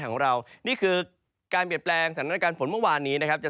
ของเรานี่คือการเปลี่ยนแปลงสถานการณ์ฝนเมื่อวานนี้นะครับจะ